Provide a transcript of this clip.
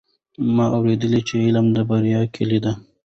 ما اورېدلي چې علم د بریا کیلي ده.